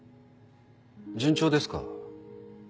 順調ですか？